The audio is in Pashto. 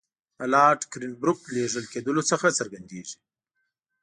د لارډ کرېنبروک لېږل کېدلو څخه څرګندېږي.